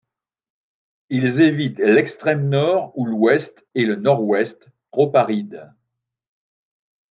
Ils évitent l'extrême nord ou l'ouest et le nord-ouest trop arides.